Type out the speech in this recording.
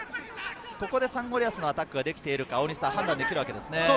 ここでサンゴリアスのアタックができているか判断できるわけですね。